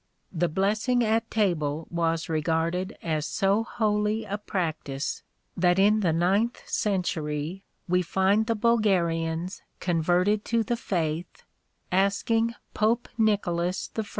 * The blessing at table was regarded as so holy a practice, that in the ninth century we find the Bulgarians converted to the faith, asking Pope Nicholas I.